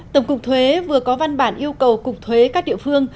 tổng cục thuế vừa có văn bản yêu cầu cục thuế các địa phương